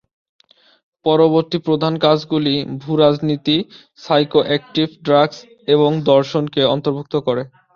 পরবর্তী প্রধান কাজগুলি ভূ-রাজনীতি, সাইকোঅ্যাক্টিভ ড্রাগস এবং দর্শনকে অন্তর্ভুক্ত করে।